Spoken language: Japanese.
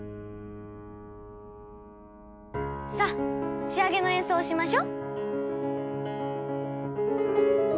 さあ仕上げの演奏をしましょ。